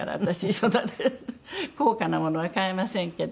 そんな高価なものは買えませんけど。